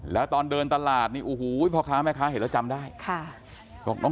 แล้วตอนเดินตลาดโอ้โหพอคะแม่คะเห็นแล้วจำไปไหม